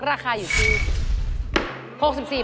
ราคาอยู่ที่